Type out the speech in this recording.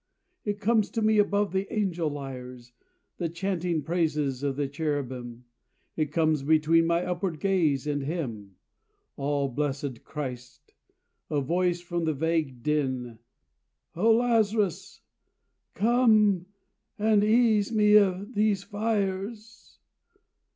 It comes to me above the angel lyres, The chanting praises of the cherubim; It comes between my upward gaze and Him, All blessed Christ; a voice from the vague dim "_O Lazarus, come and ease me of these fires.